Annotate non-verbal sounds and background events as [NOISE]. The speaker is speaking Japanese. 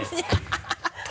ハハハ [LAUGHS]